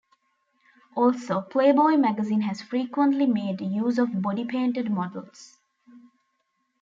Also "Playboy" magazine has frequently made use of body painted models.